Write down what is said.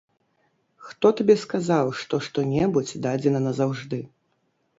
Хто табе сказаў, што што-небудзь дадзена назаўжды?